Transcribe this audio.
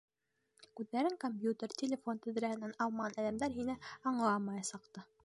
Күҙҙәрен компьютер, телефон тәҙрәһенән алмаған әҙәмдәр һине аңламаясаҡ та.